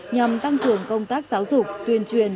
nhằm tăng cường công tác giáo dục tuyên truyền